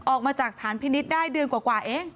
ออกมาจากสถานพินิษฐ์ได้เดือนกว่าเอง